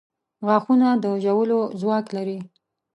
• غاښونه د ژولو ځواک لري.